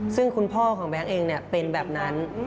ซึ่งคุณพ่อของแบ๊งเองเนี่ยเป็นแบบนั้น